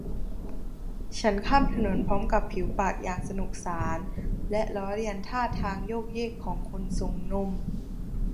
ฉันข้ามถนนพร้อมกับผิวปากอย่างสนุกสานและล้อเลียนท่าทางโยกเยกของคนส่งนม